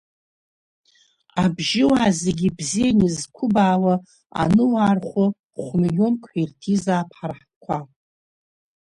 Абжьыуаа зегьы ибзианы изқәыбаауа Аныуаа рхәы хәмиллонк ҳәа ирҭизаап ҳара ҳтәқәа.